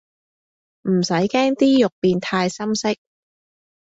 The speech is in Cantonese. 唔使驚啲肉變太深色